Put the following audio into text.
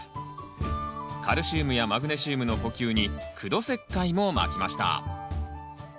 カルシウムやマグネシウムの補給に苦土石灰もまきました。